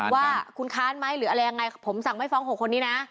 ว่าคุณค้านไหมหรืออะไรยังไงผมสั่งไม่ฟ้อง๖คนนี้นะ